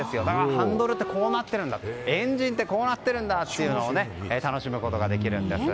ハンドルってこうなってるんだエンジンってこうなってるんだっていうのを楽しむことができます。